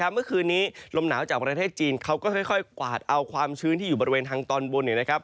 เมื่อคืนนี้ลมหนาวจากประเทศจีนเขาก็ค่อยกวาดเอาความชื้นที่อยู่บริเวณทางตอนบน